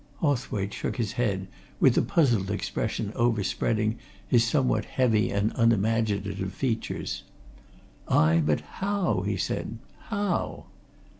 Hawthwaite shook his head, with a puzzled expression overspreading his somewhat heavy and unimaginative features. "Ay, but how?" he said. "How?"